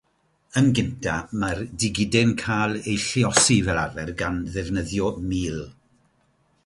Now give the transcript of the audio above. Yn gyntaf, mae'r digidau'n cael eu lluosi fel arfer gan ddefnyddio mul.